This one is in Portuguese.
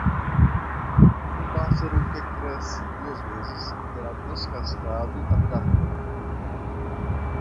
Um pássaro que cresce duas vezes terá descascado a carpa.